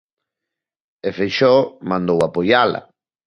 E Feixóo mandou apoiala.